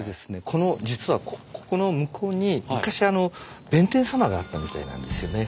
この実はここの向こうに昔弁天様があったみたいなんですよね。